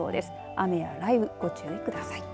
雨や雷雨、ご注意ください。